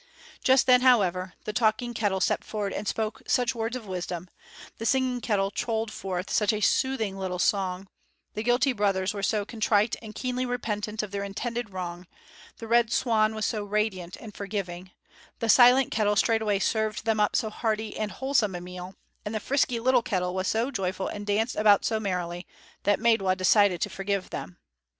Just then, however, the talking kettle stepped forward and spoke such words of wisdom, the singing kettle trolled forth such a soothing little song, the guilty brothers were so contrite and keenly repentant of their intended wrong, the Red Swan was so radiant and forgiving, the silent kettle straightway served them up so hearty and wholesome a meal, and the frisky little kettle was so joyful and danced about so merrily, that Maidwa decided to forgive them.